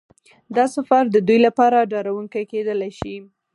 دا سفر د دوی لپاره ډارونکی کیدای شي